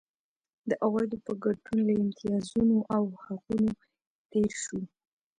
د عوایدو په ګډون له امتیازونو او حقونو تېر شو.